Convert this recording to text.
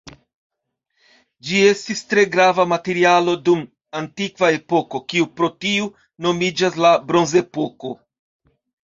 Ĝi estis tre grava materialo dum antikva epoko, kiu pro tiu nomiĝas la bronzepoko.